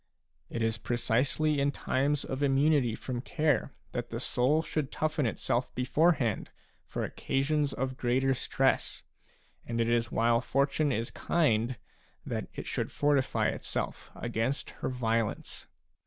" It is precisely in times of immunity from care that the soul should toughen itself beforehand for occasions of greater stress, and it is wjnle Fortune is kind that it should fortify itself agaijist her violence.